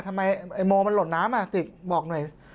ทำไมไอ้โมมันหล่นน้ำอ่ะติกบอกหน่อย